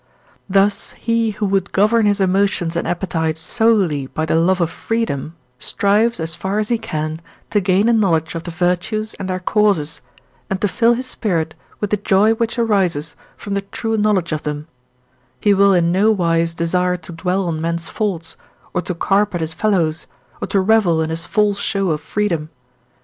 Thus he who would govern his emotions and appetite solely by the love of freedom strives, as far as he can, to gain a knowledge of the virtues and their causes, and to fill his spirit with the joy which arises from the true knowledge of them: he will in no wise desire to dwell on men's faults, or to carp at his fellows, or to revel in a false show of freedom.